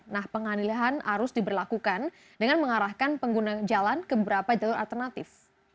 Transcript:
nah penganilihan arus diberlakukan dengan mengarahkan pengguna jalan ke beberapa jalur alternatif